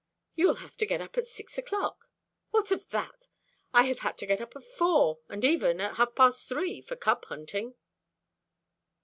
"You will have to get up at six o'clock." "What of that? I have had to get up at four, and even at half past three, for cub hunting."